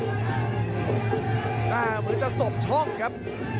เหมือนจะสบช่องครับ